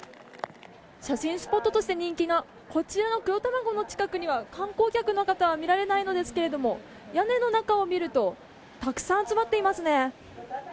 写真スポットとして人気のこちらの黒たまごの近くには観光客の方は見られないんですが屋根の中を見るとたくさん集まっていますね。